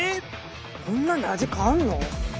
こんなんで味変わんの？